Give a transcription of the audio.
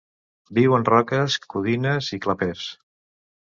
Viu en roques codines i clapers.